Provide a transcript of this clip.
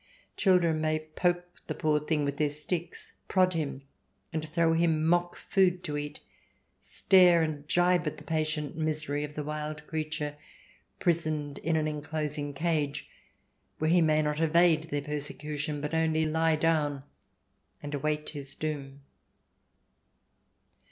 Children may poke the poor thing with their sticks, prod him, throw him mock food to eat, stare and gibe at the patient misery of the wild creature, prisoned in an enclosing cage where he may not evade their persecution, but only lie down and await his doom.